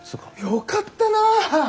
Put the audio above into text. よかったな。